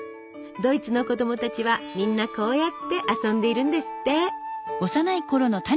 ドイツの子供たちはみんなこうやって遊んでいるんですって！